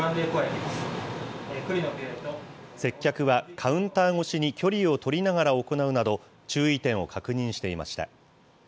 接客はカウンター越しに距離を取りながら行うなど、注意点を確認していました。